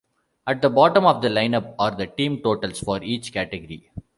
At the bottom of the lineup are the team totals for each category.